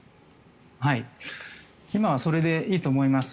今それでいいと思います。